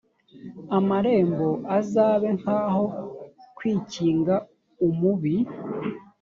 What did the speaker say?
amarembo azabe nkaho kwikinga umubi